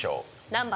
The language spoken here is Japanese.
何番？